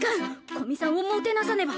古見さんをもてなさねば！